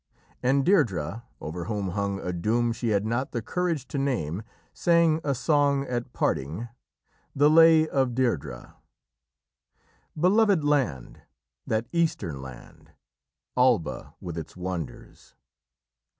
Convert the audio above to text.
And Deirdrê, over whom hung a doom she had not the courage to name, sang a song at parting: THE LAY OF DEIRDRE "Beloved land, that Eastern land, Alba, with its wonders.